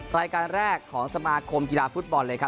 รายการแรกของสมาคมกีฬาฟุตบอลเลยครับ